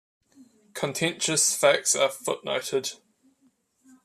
Contentious facts are footnoted.